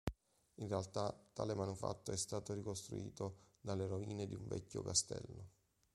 In realtà tale manufatto è stato ricostruito dalle rovine di un vecchio castello.